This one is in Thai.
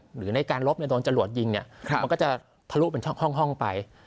หรือในการลบเนี่ยโดนจะหลวดยิงเนี่ยมันก็จะทะลุเป็นช่องห้องไป